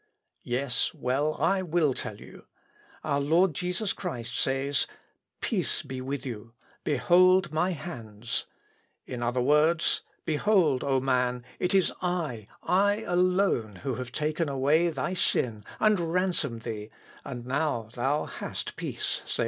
Yes; well, I will tell you. Our Lord Jesus Christ says, 'Peace be with you; behold my hands:' in other words, 'Behold, O man, it is I, I alone who have taken away thy sin, and ransomed thee, and now thou hast peace, saith the Lord.'